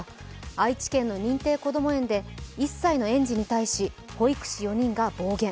愛知県の認定こども園で１歳の園児に対し保育士４人が暴言。